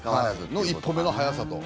その１歩目の速さと。